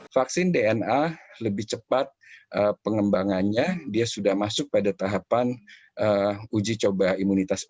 vaksin dna lebih cepat pengembangkan